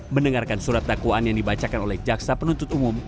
mendengarkan surat dakwaan yang dibacakan oleh jaksa penuntut umum